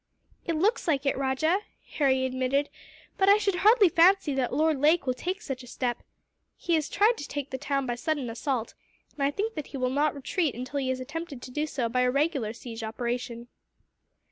"It looks like it, Rajah," Harry admitted, "but I should hardly fancy that Lord Lake will take such a step. He has tried to take the town by a sudden assault, and I think that he will not retreat until he has attempted to do so by a regular siege operation."